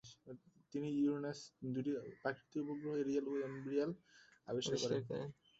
তিনি ইউরেনাসের দু’টি প্রাকৃতিক উপগ্রহ এরিয়েল ও আমব্রিয়েল আবিষ্কার করেন।